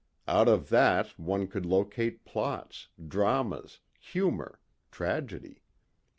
Out of that one could locate plots, dramas, humor, tragedy.